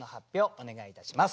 お願いいたします。